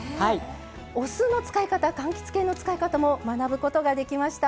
お酢の使い方かんきつ系の使い方も学ぶことができました。